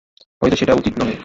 হয়তো সেটা উচিত নহে।